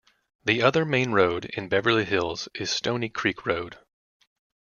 The other main road in Beverly Hills is Stoney Creek Road.